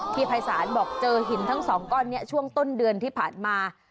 ภัยศาลบอกเจอหินทั้งสองก้อนนี้ช่วงต้นเดือนที่ผ่านมา